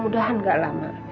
mudahan gak lama